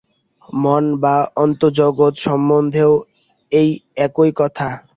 মন বা অন্তর্জগৎ সম্বন্ধেও এই একই কথা।